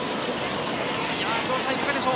城さん、いかがでしょう？